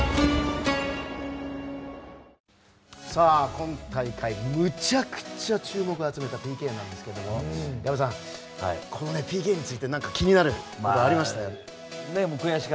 今大会、むちゃくちゃ注目を集めたＰＫなんですが矢部さん、ＰＫについて気になることはありましたか？